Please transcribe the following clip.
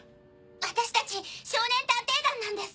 私たち少年探偵団なんです！